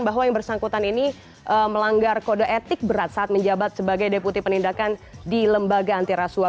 bahwa yang bersangkutan ini melanggar kode etik berat saat menjabat sebagai deputi penindakan di lembaga antiraswa